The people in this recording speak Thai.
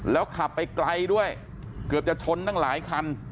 แล้วขับไปไกลด้วยเกือบจะชนตั้งหลายคัน